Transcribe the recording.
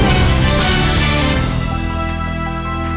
โอ้โห